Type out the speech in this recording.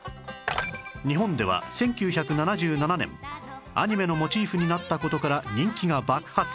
日本では１９７７年アニメのモチーフになった事から人気が爆発